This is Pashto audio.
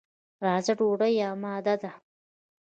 راځه، ډوډۍ اماده ده.